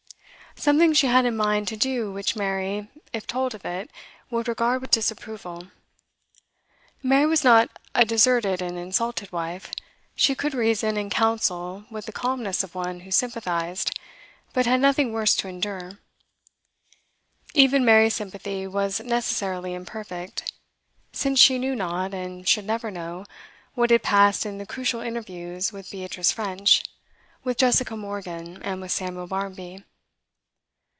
Something she had in mind to do which Mary, if told of it, would regard with disapproval. Mary was not a deserted and insulted wife; she could reason and counsel with the calmness of one who sympathised, but had nothing worse to endure. Even Mary's sympathy was necessarily imperfect, since she knew not, and should never know, what had passed in the crucial interviews with Beatrice French, with Jessica Morgan, and with Samuel Barmby.